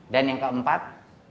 dan yang keempat